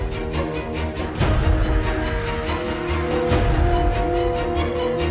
gue enggak mau kita semua mati di sini